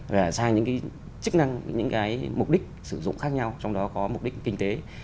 và sang những cái chức năng những cái mục đích sử dụng khác nhau trong đó có mục đích kinh tế